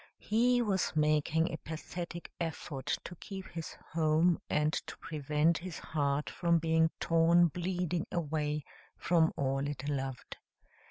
He was making a pathetic effort to keep his home and to prevent his heart from being torn bleeding away from all it loved.